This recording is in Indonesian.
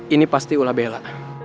ini pasti ulah bela